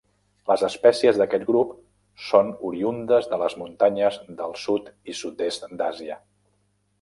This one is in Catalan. Les espècies d'aquest grup són oriündes de les muntanyes del sud i sud-est d'Àsia.